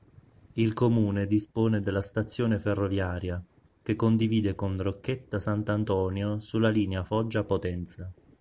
Il comune dispone della stazione ferroviaria, che condivide con Rocchetta Sant'Antonio sulla linea Foggia-Potenza.